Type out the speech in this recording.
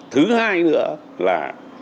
thứ hai nữa là